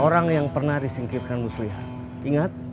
orang yang pernah disingkirkan muslihat ingat